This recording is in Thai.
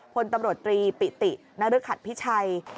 คนตำรวจตรีปิตินคัทพิชัย